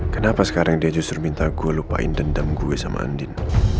kenapa sekarang dia justru minta gue lupain dendam gue sama andin